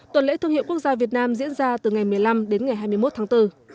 tuần lễ thương hiệu quốc gia việt nam diễn ra từ ngày một mươi năm đến ngày hai mươi một tháng bốn